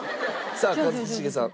さあ一茂さん。